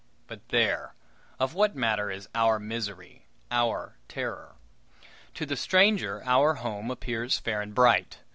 But, there! of what matter is our misery, our terror? To the stranger, our home appears fair and bright.